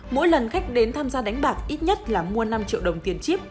mỗi lần khách đến tham gia đánh bạc ít nhất là mua năm triệu đồng tiền chip